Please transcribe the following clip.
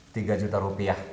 tiga juta rupiah